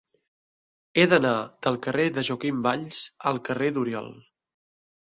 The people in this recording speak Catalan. He d'anar del carrer de Joaquim Valls al carrer d'Oriol.